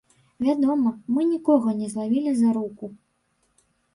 Вядома, мы нікога не злавілі за руку.